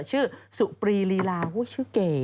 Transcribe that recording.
ชื่อสุปรีลีลาชื่อเก๋